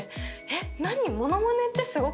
えっ？